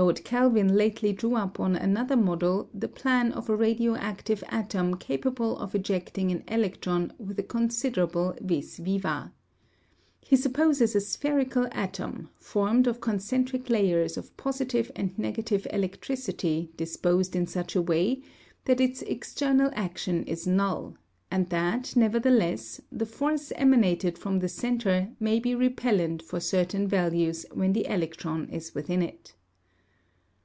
Lord Kelvin lately drew up on another model the plan of a radioactive atom capable of ejecting an electron with a considerable vis viva. He supposes a spherical atom formed of concentric layers of positive and negative electricity disposed in such a way that its external action is null, and that, nevertheless, the force emanated from the centre may be repellent for certain values when the electron is within it.